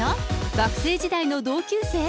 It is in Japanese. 学生時代の同級生？